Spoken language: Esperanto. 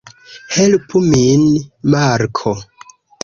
Helpu min, Marko!